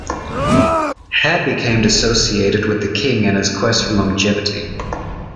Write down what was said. Heh became associated with the King and his quest for longevity.